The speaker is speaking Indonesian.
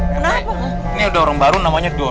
kenapa saya doang baru namanya door